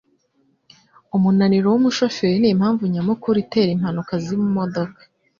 Umunaniro wumushoferi nimpamvu nyamukuru itera impanuka zimodoka